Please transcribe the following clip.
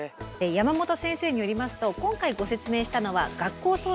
山本先生によりますと今回ご説明したのは学校掃除が始まった理由です。